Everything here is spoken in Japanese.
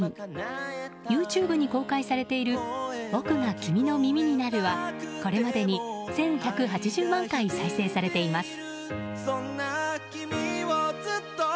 ＹｏｕＴｕｂｅに公開されている「僕が君の耳になる」はこれまでに１１８０万回再生されています。